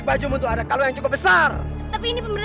jadi kamu jangan panggil aku tuhan putri